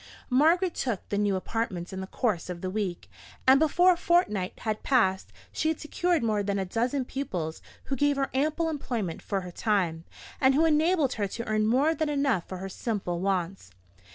Margaret took the new apartments in the course of the week; and before a fortnight had passed, she had secured more than a dozen pupils, who gave her ample employment for her time; and who enabled her to earn more than enough for her simple wants.